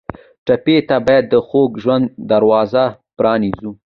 ټپي ته باید د خوږ ژوند دروازه پرانیزو.